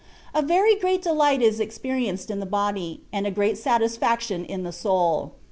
A very great delight is experienced in the body, and a great satisfaction in the soul.